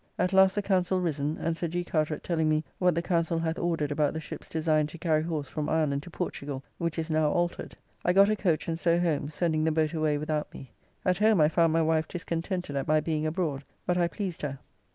At last the Councell risen, and Sir G. Carteret telling me what the Councell hath ordered about the ships designed to carry horse from Ireland to Portugall, which is now altered. I got a coach and so home, sending the boat away without me. At home I found my wife discontented at my being abroad, but I pleased her.